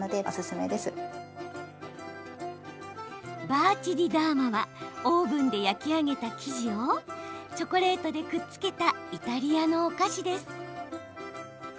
バーチ・ディ・ダーマはオーブンで焼き上げた生地をチョコレートでくっつけたイタリアのお菓子です。